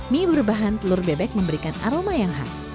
mie berbahan telur bebek memberikan aroma yang khas